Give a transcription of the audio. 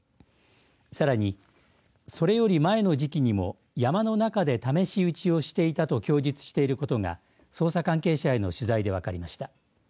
さらに、それより前の時期にも山の中で試し撃ちをしていたと供述していることが捜査関係者への取材で分かりました。